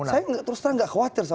saya terus terang nggak khawatir